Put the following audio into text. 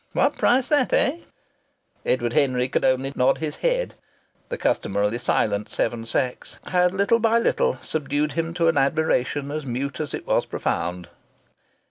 What price that, eh?" Edward Henry could only nod his head. The customarily silent Seven Sachs had little by little subdued him to an admiration as mute as it was profound.